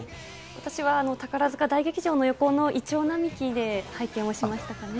私は宝塚大劇場の横のイチョウ並木で拝見をしましたかね。